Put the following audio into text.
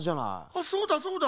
あっそうだそうだ。